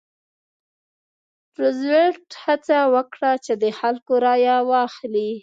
روزولټ هڅه وکړه چې د خلکو رایه واخلي.